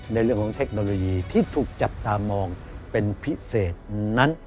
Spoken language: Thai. ในเรื่องของเทคโนโลยีที่ถูกจับตามองเป็นพิเศษนั้น